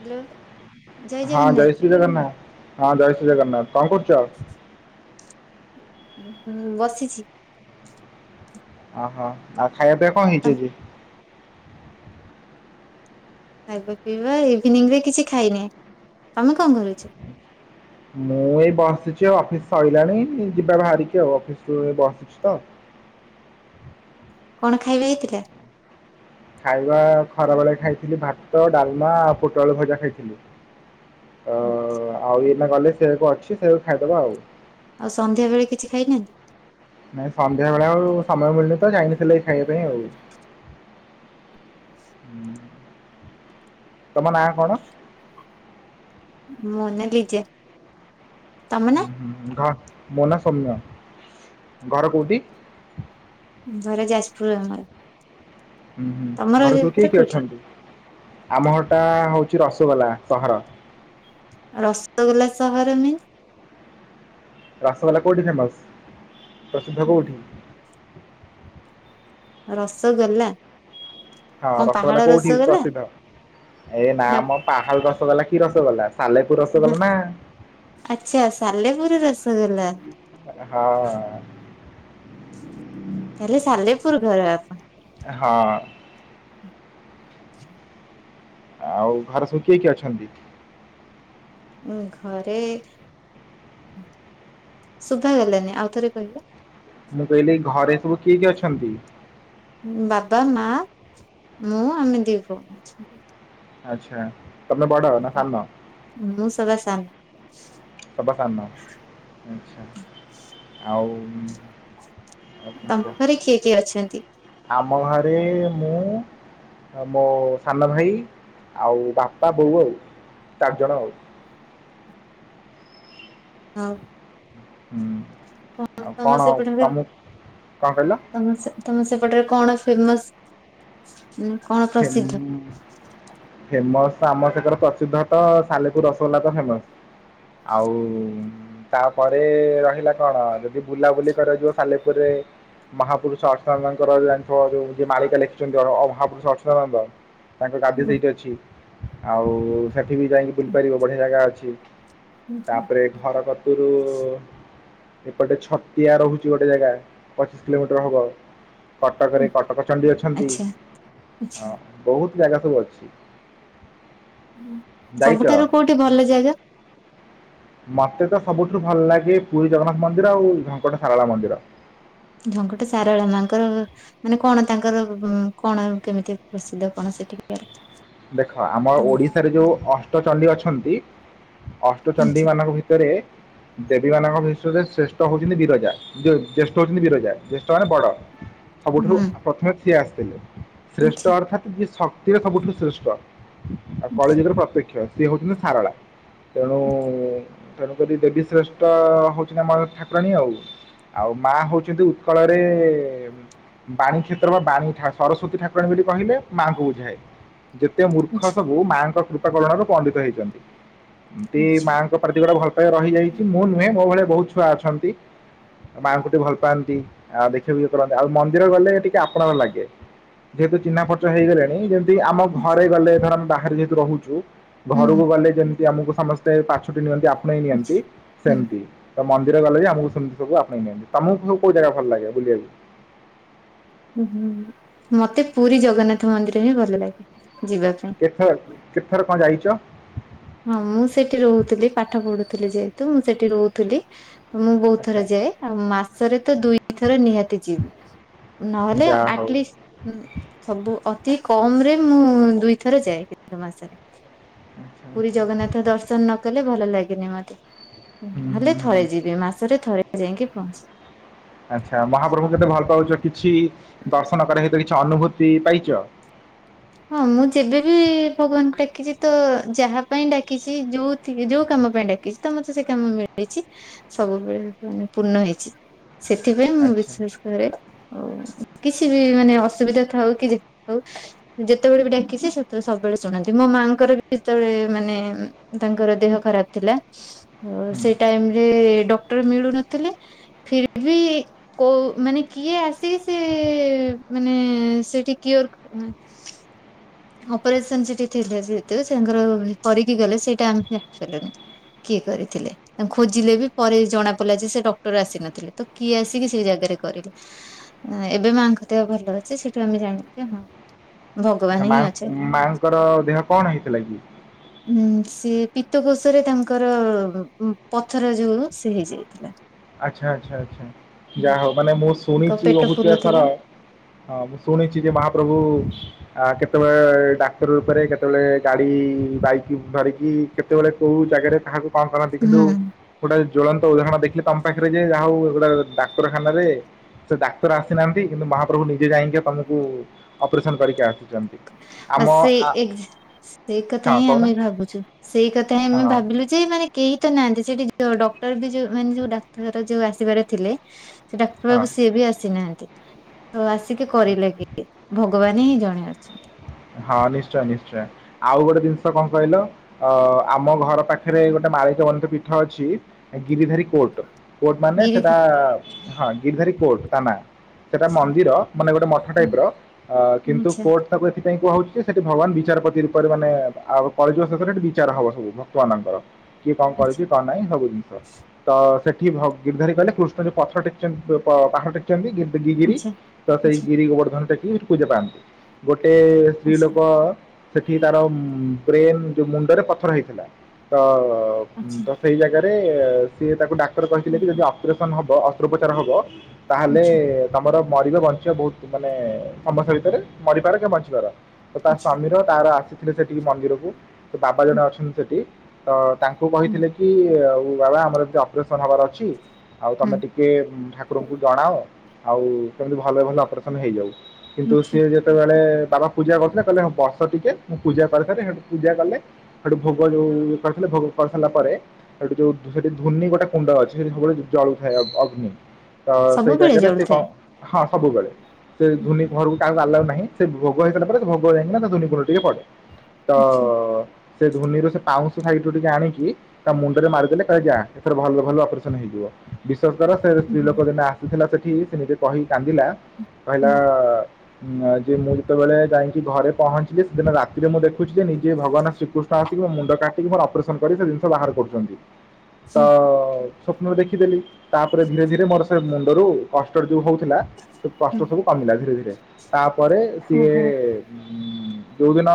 Hello. ହଁ ଜୟ ଶ୍ରୀଜଗନ୍ନାଥ ହଁ ଜୟ ଶ୍ରୀଜଗନ୍ନାଥ କଁ କରୁଛ? ହୁଁ ମୁଁ ବସିଛି। ଅ ହ ଆଉ ଖାଇବା ପିବା କଣ ତମ ହେଇଛି ଆଜି। ଖାଇବା ପିଇବା ଇଭିନିଂ ରେ କିଛି ଖାଇନି ତମେ କଣ କରୁଛ? ମୁଁ ଏଇ ବସିଛିଉ ଅଫିସ ସଇଲାଣି ଯିବା ବାହାରିକି ଆଉ ଅଫିସ ରୁ ବସିଛି ତ। କଣ ଖାଇବା ହେଇଥିଲା। ଖାଇବା ଖରା ବେଳେ ଖାଇଥିଲି ଭାତ, ଡାଲମା ଆଉ ପୋଟଳ ଭଜା ଖାଇଥିଲି। ଅ [inaudible] ଆଉ ଏଇନା ଗଲେ ସେଇଆ ତ ଅଛି ସେଇଆକୁ ଖାଇଦବା ଆଉ। ଆଉ ସନ୍ଧ୍ୟା ବେଳେ କିଛି ଖାଇନାହାନ୍ତି? ନାଇଁ ସନ୍ଧ୍ୟା ବେଳେ ଆଉ ସମୟ ମିଳୁନି ତ ଯାଇନଥିଲି ଏଇ ଖାଇବା ପାଇଁ ଆଉ। ତମ ନାଁ କଣ? ମୋ ନାଁ ଲିଜା। ତମ ନା? ଘ ମୋ ନାଁ ସୋମ୍ୟ ଘର କୋଉଠି? ଘର ଯାଜପୁର ଆମର। ହୁଁ ହୁଁ ତମର ଘରେ ସବୁ କିଏ ଘର କିଏ କୋଉଠି ଅଛନ୍ତି? ଆମ ଘରଟା ହଉଛି ରସଗୋଲା ସହର। ରସଗୋଲା ସହର ମିନ୍ସ? ରାସଗୋଲା କୋଉଠି ଫେମସ ପ୍ରସିଦ୍ଧ କୋଉଠି? ରସଗୋଲା? ହଁ କଣ ପାହାଡ ରସଗୋଲା କୋଉଠି ରସଗୋଲା ପ୍ରସିଦ୍ଧ ଏ ନା ମ ପାହାଳ ରସଗୋଲା କି ରସଗୋଲା ସାଲେପୁର ନା ଆଚ୍ଛା ସାଲେପୁର ରସଗୋଲା। ହଁ। ତାହେଲେ ସାଲେପୁର ଘର ଆପଣଙ୍କର। ହଁ। [inaudible] ଆଉ ଘରେ ସବୁ କିଏ କିଏ ଅଛନ୍ତି? ଉଁ ଘରେ ଶୁଭା ଗଲାନି ଆଉ ଥରେ କହିଲେ। ମୁଁ କହିଲି ଘରେ ସବୁ କିଏ କିଏ ଅଛନ୍ତି? ବାବା, ମାଆ, ମୁଁ, ଆମେ ଦି ପୁଅ। ଆଚ୍ଛା ତମେ ବଡ଼ ନା ସାନ? ମୁଁ ସବା ସାନ। ସବା ସାନ ଆଚ୍ଛା ଆଉ ଆଉ କଣ ତମ କୁହ? ଘରେ କିଏ କିଏ ଅଛନ୍ତି? ଆମ ଘରେ ମୁଁ ମୋ ସାନ ଭାଇ ଆଉ ବାପା, ବୋଉ ଆଉ ଚାରିଜଣ ଆଉ। ହଉ। ହୁଁ ଆଉ ତମ କଣ ତମକୁ କଣ କହିଲ? ତମର ସେ ତମର ସେପଟରେ କଣ ଫେମସ ମାନେ କଣ ପ୍ରସିଦ୍ଧ? ଫେମସ ତ ଆମ ସେପଟରେ ପ୍ରସିଦ୍ଧ ତ ସାଲେପୁର ରସଗୋଲା ତ ଫେମସ। ଆଉ ତାପରେ ରହିଲା କଣ ଯଦି ବୁଲାବୁଲି କରାଯିବ ସାଲେପୁର ରେ ମହାପୁରୁଷ ଅଚ୍ୟୁତାନନ୍ଦଙ୍କର ଜାଣିଥିବା ଯୋଉ ମାଳିକା ଲେଖିଛନ୍ତି ଅ ଅ ମହାପୁରୁଷ ଅଚ୍ୟୁତାନନ୍ଦ ତାଙ୍କ ଗାଦି ଉଁ ସେଇଠି ଅଛି। ଆଉ ସେଠି ବି ଯାଇକି ବୁଲି ପାରିବ ବଢ଼ିଆ ଜାଗା ଅଛି ହୁଁ ତାପରେ ସେ ଘର କତିରୁ ଏପଟେ ଛତିଆ ରହୁଛି ଗୋଟେ ଜାଗା ପଚିଶ କିଲୋମିଟର ହବ କଟକରେ କଟକ ଚଣ୍ଡୀ ଅଛନ୍ତି ଆଚ୍ଛା ଆଚ୍ଛା। ହଁ ବହୁତ ଜାଗା ସବୁ ଅଛି। ଯାଇଛ? ସବୁଠାରୁ କୋଉଠି ଭଲ ଜାଗା? ମତେ ତ ସବୁଠୁ ଭଲ ଲାଗେ ପୁରୀ ଜଗନ୍ନାଥ ମନ୍ଦିର ଆଉ ଢଙ୍କଟ ସାରଳା ମନ୍ଦିର। ଢଙ୍କଟ ସାରଳା ମାଙ୍କର ମାନେ କଣ ତାଙ୍କର କଣ କେମିତି ପ୍ରସିଦ୍ଧ କଣ ସେଠିକାର? ଦେଖ ଆମର ତମ ଓଡ଼ିଶାରେ ଯୋଉ ଅଷ୍ଟ ଚଣ୍ଡୀ ଅଛନ୍ତି ଅଷ୍ଟ ଚଣ୍ଡୀ ଆଚ୍ଛା। ମାନଙ୍କ ଭିତରେ ଦେବୀ ମାନଙ୍କ ଭିତରେ ଶ୍ରେଷ୍ଠ ହଉଛନ୍ତି ବିରଜା। ଜ୍ୟେଷ୍ଠ ହଉଛନ୍ତି ବିରଜା ଜ୍ୟେଷ୍ଠ ମାନେ ବଡ଼। ସବୁଠାରୁ ହୁଁ ପ୍ରଥମେ ସିଏ ଆସିଥିଲେ ଶ୍ରେଷ୍ଠ ଆଚ୍ଛା ଅର୍ଥାତ୍ ଯିଏ ଶକ୍ତିରେ ସବୁଠୁ ଶ୍ରେଷ୍ଠ ଆଉ ଆଚ୍ଛା କଳିଯୁଗର ପ୍ରତ୍ୟକ୍ଷ ସିଏ ହେଉଛନ୍ତି ସାରଳା ତେଣୁ ତେଣୁ କରି ଦେବୀ ଶ୍ରେଷ୍ଠ ହେଉଛନ୍ତି ଆମ ଠାକୁରାଣୀ ଆଉ। ଆଉ ମା ହେଉଛନ୍ତି ଉତ୍କଳରେ ବାଣୀ କ୍ଷେତ୍ର ବା ବାଣୀ ସରସ୍ୱତୀ ଠାକୁରାଣୀ ବୋଲି କହିଲେ ମାଆଙ୍କୁ ବୁଝାଏ। ଯେତେ ମୂର୍ଖ ଆଚ୍ଛା ସବୁ ମାଙ୍କ କୃପାକରଣରୁ ପଣ୍ଡିତ ହେଇଛନ୍ତି। ଏମତି ଆଚ୍ଛା ମାଆଙ୍କ ପ୍ରତି ଗଟେ ଭଲ ପାଇବା ରହିଯାଇଛି ମୁଁ ନୁହେଁ ମୋ ଭଳି ବହୁତ ଛୁଆ ଅଛନ୍ତି। ମାଆଙ୍କୁ ଟିକେ ଭଲ ପାଆନ୍ତି ଆଉ ଦେଖିବା ବଖି କରନ୍ତି ଆଉ ମନ୍ଦିର ଗଲେ ଟିକେ ଆପଣାର ଲାଗେ। ଯେହେତୁ ଚିହ୍ନା ପର୍ଚ୍ଚ ହେଇଗଲେଣି ଯେମିତି ଆମ ଘରେ ଗଲେ ଧର ଆମେ ବାହାରେ ଯେହେତୁ ରହୁଛୁ ଘରକୁ ହୁଁ ଗଲେ ଯେମିତି ଆମକୁ ସମସ୍ତେ ପାଚ ପାଛୋଟି ନିଅନ୍ତି ଆପଣେଇ ନିଅନ୍ତି ଆଚ୍ଛା। ସେମତି। ତ ମନ୍ଦିର ଗଲେ ବି ଆମକୁ ସେମିତି ସବୁ ଆପଣେଇ ନିଅନ୍ତି ତମକୁ ସବୁ କଉ ଜାଗା ଭଲ ଲାଗେ ବୁଲିବାକୁ? ଉହୁଁ ମତେ ପୁରୀ ଜଗନ୍ନାଥ ମନ୍ଦିର ହିଁ ଭଲ ଲାଗେ ଯିବା ପାଇଁ। କେଥର କେଥର କଣ ଯାଇଛ? ହଁ ମୁଁ ସେଠି ରହୁଥିଲି ପାଠ ପଢୁଥିଲି ଯେହେତୁ ମୁଁ ସେଠି ରହୁଥିଲି। ମୁଁ ବହୁତ ଆଚ୍ଛା ଥର ଯାଏ ଆଉ ମାସରେ ତ ଦୁଇଥର ନିହାତି ଯିବି। ନହେଲେ ଯାହା ହଉ ଆଟଲିଷ୍ଟ ହୁଁ ସବୁ ଅତି କମ ରେ ମୁଁ ଦୁଇଥର ଯାଏ କେତନ ମାସରେ। ଆଚ୍ଛା ପୁରୀ ଆଚ୍ଛା ଜଗନ୍ନାଥ ଦର୍ଶନ ନ କଲେ ଭଲ ଲାଗେନି ମତେ ହୁଁ ହୁଁ ହେଲେ ହୁଁ ଥରେ ଯିବି ମାସରେ ଥରେ ଯାଇକ ପହଞ୍ଚିବି ଆଚ୍ଛା ମହାପ୍ରଭୁଙ୍କୁ କେତେ ଭଲ ପାଉଛ କିଛି ଦର୍ଶନ କରିବା ଭିତରେ କିଛି ଅନୁଭୂତି ପାଇଛ? ହଁ ମୁଁ ଯେବେବି ଭଗବାନଙ୍କୁ ଡାକିଛି ତ ଯାହା ପାଇଁ ଡାକିଛି ଯୋଉ ଯୋଉ କାମ ପାଇଁ ଡାକିଛି। କିଛି ତ ମତେ ସେ କାମ ମିଳିଛି ସବୁବେଳେ ମାନେ ପୂର୍ଣ୍ଣ ହେଇଛି। ସେଥିପାଇଁ ମୁଁ ଆଚ୍ଛା ବିଶ୍ୱାସ କରେ ଆଉ କିଛି ବି ମାନେ ଅସୁବିଧା ଥାଉ କି ଯେତେବେଳେ ବି ଡାକିଛି ସେତେବେଳେ ସବୁବେଳେ ଶୁଣନ୍ତି ମୋ ମାଆଙ୍କର ବି ଯେତେବେଳେ ମାନେ ତାଙ୍କର ଦେହ ଖରାପ ଥିଲା ହୁଁ ସେ ଟାଇମ ରେ ଡକ୍ଟର ମିଳୁନଥିଲେ ଫିର୍ ଭି କୋଉ ମାନେ କିଏ ଆସି ସେ ମାନେ ସେଠି କିଓର ଅପରେସନ ସେଠି ଥିଲେ ଯେହେତୁ ତାଙ୍କର କରିକି ଗଲେ ସେଇଟା ଆମେ ଜାଣିପାରିଲୁନି। କିଏ କରିଥିଲେ? ତା ଖୋଜିଲେ ବି ପରେ ଜଣା ପଡିଲା ଯେ ସେ ଡକ୍ଟର ଆସି ନଥିଲେ ତ କିଏ ଆସିକି ସେଇ ଜାଗାରେ କରିଲେ। ଏବେ ମାଙ୍କ ଦେହ ଭଲ ଅଛିେ ସେଇଠୁ ଆମେ ଜାଣିଲୁ ଯେ ହଁ। ଭଗବାନ ଆଛା ମା ହିଁ ଅଛନ୍ତି। ମାଙ୍କର ଦେହ କଣ ହେଇଥିଲା କି? ଉଁ ସି ପିତ୍ ତକୋଷରେ ତାଙ୍କର ପଥର ଯୋଉ ସେ ହେଇଯାଇଥିଲା। ଆଚ୍ଛା ଆଚ୍ଛା ଆଛା ଯାହା ହଉ ମାନେ ମୁଁ ତାଙ୍କ ଶୁଣିଛି ପେଟ ବହୁତଥର ଫୁଲୁଥିଲା ହଁ ମୁଁ ଶୁଣିଛି ଯେ ମହାପ୍ରଭୁ କେତେବେଳେ ଡାକ୍ତର ରୂପରେ କେତେବେଳେ ଗାଡ଼ି ବାଇକ୍ ଧରିକି କେତେ ସେତେବେଳେ କୋଉ ଜାଗାରେ କାହାକୁ କଣ କରନ୍ତି କିନ୍ତୁ ହୁଁ ଗୋଟେ ଜ୍ୱଳନ୍ତ ଉଦାହରଣ ଦେଖିଲେ ତମ ପାଖରେ ଯ ଯାହା ହଉ ଗୋଟା ଡାକ୍ତରଖାନାରେ ସେ ଡାକ୍ତର ଆସିନାହାନ୍ତି କିନ୍ତୁ ମହାପ୍ରଭୁ ନିଜେ ଯାଇକି ତମକୁ ଅପରେସନ କରିକି ଆସିଛନ୍ତି ବା ଆମ ଆ ସେଇ ସେଇ କଥା ହଁ ହିଁ କହୁନା ଆମେ ଭାବୁଛୁ ସେଇ କଥା ହିଁ ଆମେ ହଁ ଭାବିଲୁ ଯେ ମାନେ କେହି ତ ନାହାନ୍ତି ସେଠି ଡକ୍ଟର ବି ଯଉ ମାନେ ଯୋଉ ଡାକ୍ତର ଯୋଉ ଆସିବାର ଥିଲେ ସେ ଡାକ୍ତର ହଁ ବାବୁ ସିଏ ବି ଆସିନାହାନ୍ତି ତ ଆସିକି କରିଲେ କି ଭ ଭଗବାନ ହିଁ ଜଣେ ଅଛନ୍ତି। ହଁ ନିଶ୍ଚୟ ନିଶ୍ଚୟ। ଆଉ ଗୋଟେ ଜିନିଷ କଣ କହିଲ ଆମ ଘର ପାଖରେ ଗୋଟେ ମାଳିକବନ୍ତୀ ପୀଠ ଅଛି ଗିରିଧାରୀ କୋର୍ଟ କୋର୍ଟ ମାନେ ଗିରି ସେଟା ହଁ ଗିରିଧାରୀ କୋର୍ଟ ତା ନା ସେଟା ମନ୍ଦିର ମାନେ ଗୋଟେ ମଠ ଟାଇପ ର ଅ କିନ୍ତୁ ଆଚ୍ଛା କୋର୍ଟ ତାକୁ ଏ କୁହା ହଉଛି ସେଠି ଭଗବାନ ବିଚାରପତି ରୂପରେ ମାନେ ଆଉ କଳି ଯୁଗ ଶେଷରେ ସେଠି ବିଚାର ହବ ସବୁ ଭକ୍ତ ମାନଙ୍କର କିଏ କଣ କରୁଛି ଆଚ୍ଛା ତ କଣ ନାହିଁ ସବୁ ଜିନିଷ ତ ଗର୍ଧାରୀ କଲେ କୃଷ୍ଣ ଯୋଉ ପଥର ଟେକିଛନ୍ତି ପାହାଡ଼ ଟେକି ଗିଗିରି ଆଚ୍ଛା। ତ ସେଇ ଆଚ୍ଛା ଗିରି ଗୋବର୍ଦ୍ଧନ ଟେକି ସେଠି ପୂଜା ପାଆନ୍ତି ଏ ସ୍ତ୍ରୀ ଲୋକ। ଆଚ୍ଛା ସେଠି ତାର ବ୍ରେନ ଯୋଉ ମୁଣ୍ଡରେ ପଥର ହେଇଥିଲା ତ ଆଚ୍ଛା ତ ସେଇ ଜାଗାରେ। ସେ ସିଏ ତାକୁ ଡାକ୍ତର କହିଥିଲେ କି ଯଦି ଅପରେସନ ହବ ଅସ୍ତ୍ରୋପଚାର ହବ ତାହେଲେ। ଆଚ୍ଛା ତମର ମରିବ ବଞ୍ଚିବା ବହୁତ ମାନେ ସମସ୍ୟା ଭିତରେ ମରିପାର କି ବଞ୍ଚିପାର ତ ତା ଆଚ୍ଛା ସ୍ଵାମୀର। ତାର ଆସିଥିଲେ ସେଠି ମନ୍ଦିରକୁ ସେ ବାବା ଜଣେ ଅଛନ୍ତି ସେଠି ତ ତାଙ୍କୁ ହୁଁ କହିଥିଲେ କି। କି ବାବା ଆମର ଏମିତି ଅପରେସନ ହବାର ଅଛି ଆଉ ହୁଁ ତମେ ଟିକେ। ଟିକେ ଠାକୁରଙ୍କୁ ଜଣାଅ ଆଉ କେମିତି ଭଲରେ ଭଲ ଅପରେସନ ହେଇଯାଉ କିନ୍ତୁ ଆଚ୍ଛା। ସିଏ ଜଦ। ସେତେବେଳେ ବାବା ପୂଜା କରୁଥିଲେ କହିଲେ ବସ ଟିକେ ମୁଁ ପୂଜା କରିସାରେ ସେଠୁ ପୂଜା କଲେ। ସେଠୁ ଭୋଗ ଯୋଉ କରିଥିଲେ ଭୋଗ କରିସାରିଲା ପରେ। ସେଠି ଯୋଉ ଧ୍ଵନୀ ଗୋଟେ କୁଣ୍ଡା ଅଛି ସେଠି ସବୁ ବେଳେ ଜଳୁ ଥାଏ ଅଗ୍ନି। ତ ସେଇ ସବୁବେଳେ ଜାଗାରେ ସେ ଜଳୁଥାଏ। କଣ ହଁ ସବୁବେଳେ ସେ ଧୁନି ଘରକୁ କାହାକୁ ଆଲାଉ ନାହିଁ। ସେ ଭୋଗ ହେଇଗଲା ପରେ ଭୋଗ ଯାଇକି ନା ତା ଧୋନି ଉପରେ ଟିକେ ପଡେ ତ। ଆଚ୍ଛା ସେ ଧ୍ୱନି ର ସେ ପାଉଁଶ ସାଇଡ଼ରୁ ଟିକେ ଆଣିକି। ତା ମୁଣ୍ଡରେ ମାରିଦେଲେ କହିଲେ ଯା ଏଥର ଭଲ ଭଲରେ ଅପରେସନ ହେଇଯିବ। ବିଶ୍ୱାସ କର ସେ ସ୍ତ୍ରୀ ଲୋକ ଦିନେ ଆସିଥିଲା ସେଠି ସେ ନିଜେ କହିକି କାନ୍ଦିଲା କହିଲା। ହଁ ଯେ ମୁଁ ଯେତେବେଳେ ଯାଇକି ଘରେ ପହଞ୍ଚିଲି ସେଦିନ ରାତିରେ ମୁଁ ଦେଖୁଛି ଯେ ନିଜେ ଭଗବାନ ଶ୍ରୀକୃଷ୍ଣ। ତ ମୋ ମୁଣ୍ଡ କାଟିକି ମୋର ଅପରେସନ କରି ସେ ଜିନିଷ ବାହାର କରୁଛନ୍ତି ତ। ସ୍ୱପ୍ନରେ ଦେଖିଦେଲି ତାପରେ ଧୀରେ ଧୀରେ ମୋର ସେ ମୁଣ୍ଡରୁ କଷ୍ଟ ଯୋଉ ହଉଥିଲା ସେ କଷ୍ଟ ସବୁ। କମିଲା ଧୀରେ ଧୀରେ। ପରେ ସିଏ। ଓହୋ ଯୋଉ ଦିନ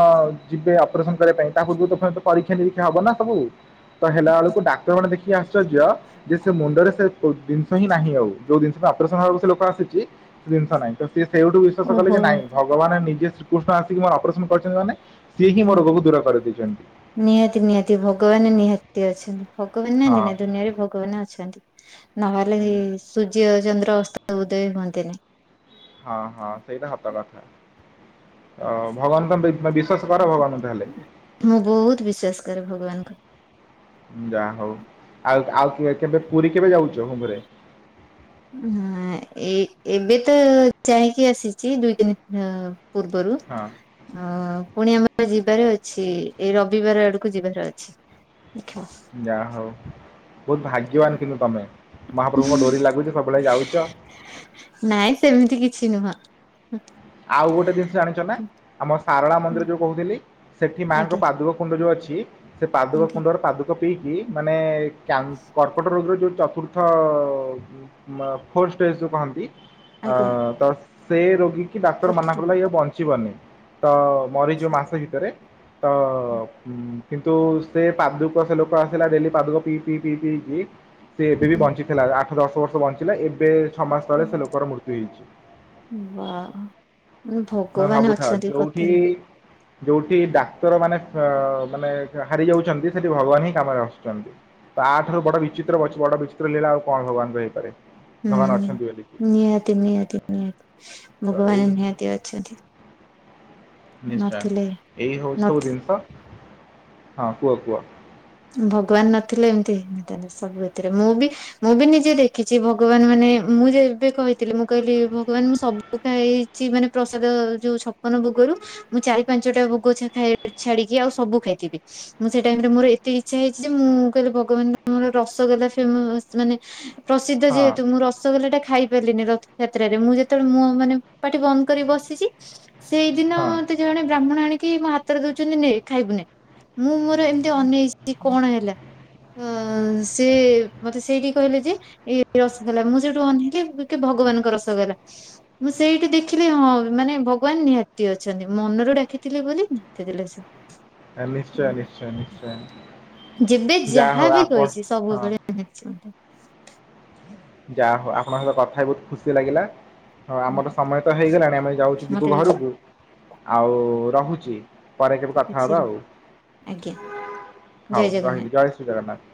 ଯିବେ ଅପରେସନ କରିବା ପାଇଁ ତା ପୂର୍ବ ତ ପରୀକ୍ଷା ନିରୀକ୍ଷା ହବ ନା ସବୁ। ତ ହେଲା ବେଳକୁ ଡ଼ାକ୍ତର ଗୋଟେ ଦେଖିକି ଆଶ୍ଚ। ଆର୍ଶଯ୍ୟ ଯେ ସେ ମୁଣ୍ଡରେ ସେ ଜିନିଷ ହିଁ ନାହିଁ ଆଉ ଯୋଉ ଜିନିଷ ଅପରେସନ ହେବାକୁ ସେ ଲୋକ ଆସିଛି। ସେ ଜିନିଷ ନାହିଁ ତେଣୁ। ସେ ସେଇଠୁ ବିଶ୍ଵାସ ଓହୋ କଲେ କି ନାଇଁ ଓହୋ। ଭଗବାନ ନିଜେ ଶ୍ରୀକୃଷ୍ଣ ଆସିକି ମୋର ଅପରେସନ କରିଛନ୍ତି ମାନେ। ସିଏ ହିଁ ମୋ ରୋଗକୁ ଦୂର କରିଦେଇଛନ୍ତି। ନିହାତି ନିହାତି ଭଗବାନ ନିହାତି ଅଛନ୍ତି ଭଗବାନ ହଁ ନାହାନ୍ତି ନା ଦୁନିଆରେ ଭଗବାନ ଅଛନ୍ତି। ନହେଲେ ସୂର୍ଯ୍ୟ ଚନ୍ଦ୍ର ଅସ୍ତ ଉଦୟ ହୁଅନ୍ତେନି। ହଁ ହଁ ସେଇଟା ହବା କଥା ଭଗବାନ ବି। ବିଶ୍ୱାସ କର ଭଗବାନକୁ ତାହାଲେ? ମୁଁ ବହୁତ ବିଶ୍ଵାସ କରେ ଭଗବାନଙ୍କୁ। ଯାଆ ହଉ। ଆଉ ଆଉ କେବେ ପୁରୀ କେବେ ଯାଉଛ ହୋମରେ ହଁ ଏ ଏବେ ତ ଯାଇକି ଆସିଛି ଦୁଇଦିନି ହ ପୂର୍ବରୁ। ହଁ ହଁ ପୁଣି ଆମର ଯିବାର ଅଛି ଏଇ ରବିବାର ଆଡକୁ ଯିବାର ଅଛି। ଆଚ୍ଛା। ଯାହା ହଉ। ବହୁତ ଭାଗ୍ୟବାନ କିନ୍ତୁ ତମେ ମହାପ୍ରଭୁଙ୍କ ଡୋରି ଲାଗୁଛି ସବୁବେଳେ ଯାଉଛ। ନାଇଁ ସେମିତି କିଛି ନୁହଁ। ଆଉ ଗୋଟେ ଜିନିଷ ଆଣିଛ ନା ଆମ ଶାରଳା ମନ୍ଦିର ଯୋଉ କହୁଥିଲି ସେଠି ମାଙ୍କ ଆଜ୍ଞା ପାଦୁକ କୁଣ୍ଡ ଯୋଉ ଅଛି ସେ ପାଦୁକ ଆଜ୍ଞା କୁଣ୍ଡର ପାଦୁକ ପିଇକି ମାନେ କ୍ୟାନ୍ କର୍କଟ ରୋଗର ଯୋଉ ଚତୁର୍ଥ ଫୋର୍ ଷ୍ଟେଜ ଯୋଉ କହନ୍ତି ଅ ଆଜ୍ଞା ତ ସେ ରୋଗୀ କି ଡାକ୍ତର ଚତୁର୍ଥ ମନାକଲେ କଥା। ଇଏ ବଞ୍ଚିବନି। ତ ମରିଯିବ ମାସେ ଭିତରେ। ତ କିନ୍ତୁ ସେ ପାଦୁକ ସେ ଲୋକ ଆସିଲା ଡେଲି ପାଦୁକ ପିଇ ପିଇ ପିଇ ପିଇକି ସେ ଏବେ ବି ବଞ୍ଚିଥିଲା। ଆଠ ଦଶ ବର୍ଷ ବଞ୍ଚିଲା। ଏବେ ଛଅ ମାସ ତଳେ ସେ ଲୋକର ମୃତ୍ୟୁ ହେଇଛି। ବା ନ ଭଗବାନ ଭାବୁଥାଅ ଅଛନ୍ତି ଯୋଉଠି କଥାରେ। ଯୋଉଠି ଡାକ୍ତର ମାନେ ଅ ମାନେ ହାରି ଯାଉଛନ୍ତି ସେଠି ଭଗବାନ ହିଁ କାମରେ ଆସୁଛନ୍ତି। ତାଆଠାରୁ ବଡ ବିଚିତ୍ର ବଡ ବିଚିତ୍ର ଲୀଳା ଆଉ କଣ ଭଗବାନଙ୍କର ହେଇପାରେ। ହୁଁ ଭଗବାନ ଅଛନ୍ତି ବୋଲିକି। ନିହାତି ନିହାତି ନିହାତି ତ ଏଇ। ଭଗବାନ ନିହାତି ଅଛନ୍ତି ନଥିଲେ ନିଶ୍ଚୟ ଏଇ ହଉଛି ନ ସବୁ ଜିନିଷ। ହଁ କୁହ କୁହ? ଭଗବାନ ନଥିଲେ ଏମିତି ହେଇନଥାନ୍ତା। ସବୁ ଏଥିରେ ମୁଁ ବି ମୁଁ ବି ନିଜେ ଦେଖିଛି ଭଗବାନ ମାନେ ମୁଁ ଯେବେ କହିଥିଲି ମୁଁ କହିଲି ଭଗବାନ ମୁଁ ସବୁ ପଖା ହେଇଛି ମାନେ ପ୍ରସାଦ ଯୋଉ ଛପନ ଭୋଗରୁ ମୁଁ ଚାରି ପାଞ୍ଚ ଟା ଭୋଗ ଇ ଛାଡିକି ଆଉ ସବୁ ଖାଇଥିବି। ମୁଁ ସେ ଟାଇମ ରେ ମୋର ମତେ ଇଚ୍ଛା ହେଇଛି ଯେ ମୁଁ କହିଲି ଭଗବାନ ମୋର ରସଗୋଲା ଫେମସ ମାନେ ପ୍ରସିଦ୍ଧ ହଁ ଯେହେତୁ ମୁଁ ରସ ରସଗୋଲା ଟା ଖାଇ ପାରିଲିନି ରଥଯାତ୍ରାରେ। ମୁଁ ଯେତେବେଳେ ମୁ ମାନେ ପାଠି ବନ୍ଦ କରି ବସିଛି ସେଇଦିନ ହଁ ତ ଜଣେ ବ୍ରାହ୍ମଣ ଆଣିକି ମୋ ହାତରେ ଦଉଛନ୍ତି ନେ ଖାଇବୁ ନେ। ମୁଁ ମୋର ଏମିତି ଅନେଇଚି ସେ କଣ ହେଲା। ଅ ସେ ମତେ ସେଇଠି କହିଲେ ଯେ ଏଇ ରସଗଲା। ମୁଁ ସେଠୁ ଅନେଇିଲି କି ଭଗବାନଙ୍କ ରସଗୋଲା ମୁଁ ସେଇଠି ଦେଖିଲି ହଁ ମାନେ ଭଗବାନ ନିହାତି ଅଛନ୍ତି ମନରୁ ଡାକିଥିଲି ବୋଲି ନିହାତି ଦେଲେ ସେ। ହ ନିଶ୍ଚୟ ନିଶ୍ଚୟ ନିଶ୍ଚୟ ଯେବେ ଯାହା ହଉ ଯାହାବ ଆପଣ କହିଛି ହଁ ସବୁବେଳେ ଯା ହଉ ଆପଣଙ୍କ ସହିତ କଥାଇ ବହୁତ ଖୁସି ଲାଗିଲା। ହଁ ଆମର ସମୟ ତ ହେଇଗଲାଣି ଆମେ ଯାଉଛୁ ଯିବୁ ମତେ ମତେ ଘରକୁ ଆଉ ରହୁଛି। ପରେ କେବେ କଥା ହବା କିଛି ଆଉ। ଆଜ୍ଞା ଜୟ ହଉ ଜଗନ୍ନାଥ। ରହିଲି। ଜୟ ଶ୍ରୀ ଜଗନ୍ନାଥ।